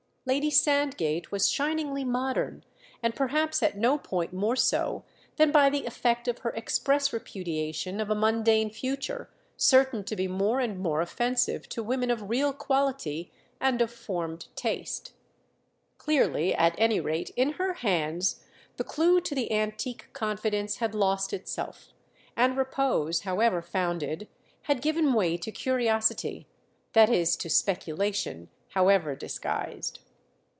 Lady Sandgate was shiningly modern, and perhaps at no point more so than by the effect of her express repudiation of a mundane future certain to be more and more offensive to women of real quality and of formed taste. Clearly, at any rate, in her hands, the clue to the antique confidence had lost itself, and repose, however founded, had given way to curiosity—that is to speculation—however disguised.